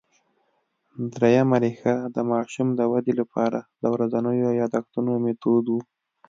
درېیمه ریښه د ماشوم د ودې له پاره د ورځينو یادښتونو مېتود وو